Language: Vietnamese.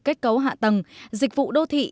kết cấu hạ tầng dịch vụ đô thị